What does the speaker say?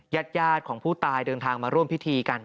ยาดของผู้ตายเดินทางมาร่วมพิธีกัน